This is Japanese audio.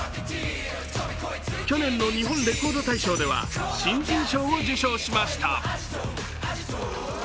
去年の「日本レコード大賞」では、新人賞を受賞しました。